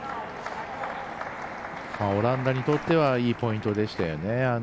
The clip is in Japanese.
オランダにとってはいいポイントでしたよね。